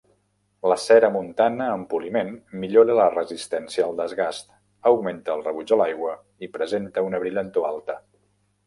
La cera montana en poliment millora la resistència al desgast, augmenta el rebuig a aigua i presenta una brillantor alta.